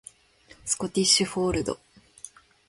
スコティッシュフォールド